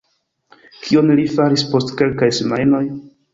Kion li faris post kelkaj semajnoj?